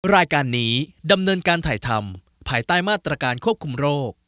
รายการนี้ดำเนินการถ่ายทำภายใต้มาตรการควบคุมโรค